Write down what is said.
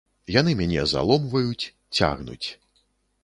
Яны мяне заломваюць, цягнуць.